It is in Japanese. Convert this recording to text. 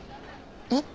えっ？